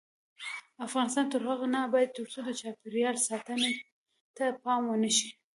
افغانستان تر هغو نه ابادیږي، ترڅو د چاپیریال ساتنې ته پام ونشي.